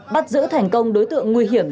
bắt giữ thành công đối tượng nguy hiểm